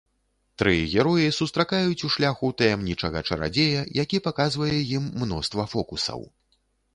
Тры героі сустракаюць у шляху таямнічага чарадзея, які паказвае ім мноства фокусаў.